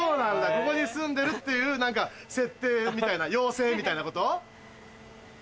ここに住んでるっていう設定みたいな妖精みたいなこと？